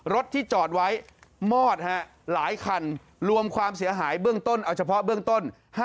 รถที่จอดไว้มอดหลายคันรวมความเสียหายเบื้องต้นเอาเฉพาะเบื้องต้น